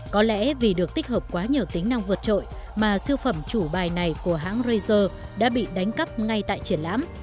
có lẽ vì được tích hợp quá nhiều tính năng vượt trội mà siêu phẩm chủ bài này của hãng ra đã bị đánh cắp ngay tại triển lãm